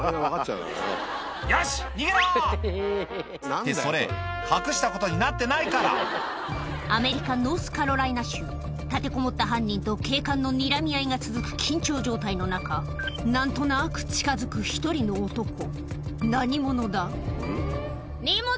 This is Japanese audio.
「よし逃げろ！」ってそれ隠したことになってないからアメリカノースカロライナ州立てこもった犯人と警官のにらみ合いが続く緊張状態の中何となく近づく１人の男何者だ？